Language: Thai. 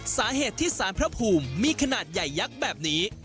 สาเหตุที่สารพระภูมิมีขนาดใหญ่ยักษ์แบบนี้